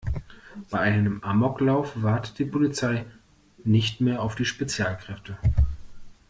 Bei einem Amoklauf wartet die Polizei nicht mehr auf die Spezialkräfte.